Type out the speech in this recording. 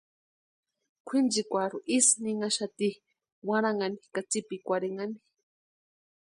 Kwʼinchikwarhu isï ninhaxati warhanhani ka tsipikwarhinhani.